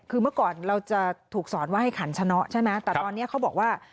คือเมื่อก่อนเราจะถูกสอนว่าให้ขันชะเนาะใช่ไหมแต่ตอนนี้เขาบอกว่า